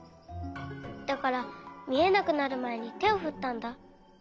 だからみえなくなるまえにてをふったんだ。